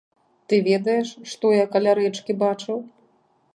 Ты ведаеш, што я каля рэчкі бачыў?